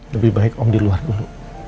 lebih baik om di luar dulu